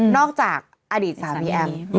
จากอดีตสามีแอม